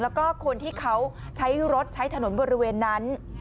แล้วก็คนที่เขาใช้รถใช้ถนนบริเวณนั้น